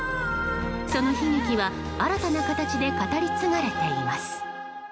その悲劇は新たな形で語り継がれています。